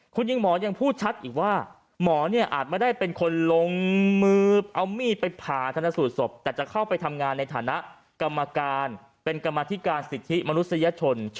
คุณหญิงหมอยังพูดชัดอีกว่าหมอเนี่ยอาจไม่ได้เป็นคนลงมือเอามีดไปผ่าธนสูตรศพแต่จะเข้าไปทำงานในฐานะกรรมการเป็นกรรมธิการสิทธิมนุษยชน